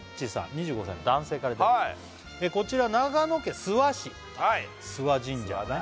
２５歳の男性からいただきました「こちら長野県諏訪市」諏訪神社あるね